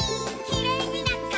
「きれいになったね」